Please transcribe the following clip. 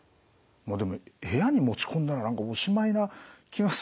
でも部屋に持ち込んだらおしまいな気がするんですよね。